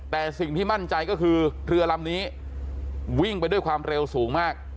แต่สิ่งที่มั่นใจก็คือเรือลำนี้วิ่งไปด้วยความเร็วสูงมาก